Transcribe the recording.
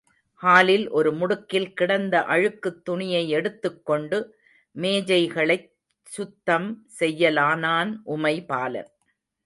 ஹாலில் ஒரு முடுக்கில் கிடந்த அழுக்குத் துணியை எடுத்துக் கொண்டு மேஜைகளைச் சுத்தம் செய்யலானான், உமைபாலன்.